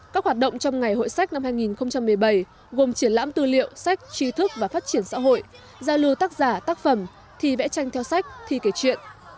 các hoạt động trong ngày hội sách năm hai nghìn một mươi bảy gồm triển lãm tư liệu sách tri thức và phát triển xã hội giao lưu tác giả tác phẩm thi vẽ tranh theo sách thi kể chuyện